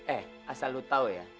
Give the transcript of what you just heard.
eh asal lo tau ya